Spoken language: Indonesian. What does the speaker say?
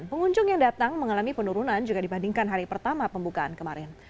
pengunjung yang datang mengalami penurunan jika dibandingkan hari pertama pembukaan kemarin